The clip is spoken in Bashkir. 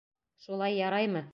Шулай яраймы?